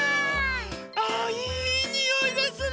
あいいにおいですね！